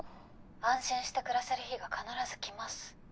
安心して暮らせる日が必ず来ます。